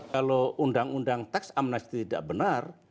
kalau undang undang teks amnesty tidak benar